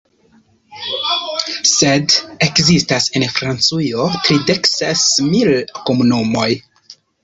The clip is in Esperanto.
Sed ekzistas en Francujo tridekses mil komunumoj.